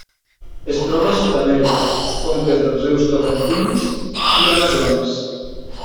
Es troba a Sud-amèrica: conques dels rius Tocantins i Amazones.